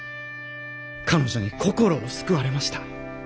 彼女に心を救われました。